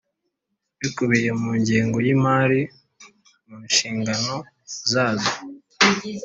Bikubiye mu ngengo y’imari mu nshingano zazo